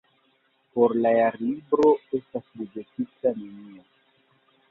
Por la Jarlibro estas buĝetita nenio.